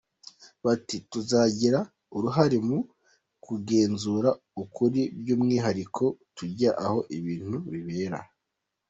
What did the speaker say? Bati “ Tuzagira uruhare mu kugenzura ukuri, by’umwihariko tujya aho ibintu bibera.